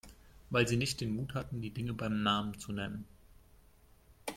Weil Sie nicht den Mut hatten, die Dinge beim Namen zu nennen.